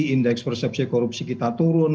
indeks persepsi korupsi kita turun